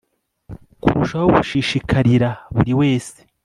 kurushaho gushishikarira buri wese